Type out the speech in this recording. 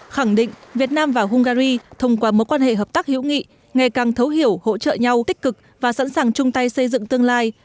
khẳng định việt nam và hungary thông qua mối quan hệ hợp tác hữu nghị ngày càng thấu hiểu hỗ trợ nhau tích cực và sẵn sàng chung tay xây dựng tương lai